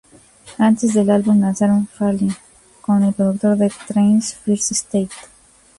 Antes del álbum lanzaron "Falling" con el productor de Trance First State.